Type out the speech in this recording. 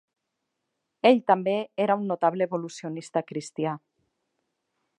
Ell també era un notable evolucionista cristià.